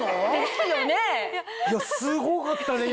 すごかったね